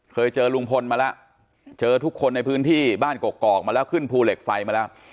เคยเจอลุงพลมาแล้วเจอทุกคนในพื้นที่บ้านกอกมาแล้วขึ้นภูเหล็กไฟมาแล้ว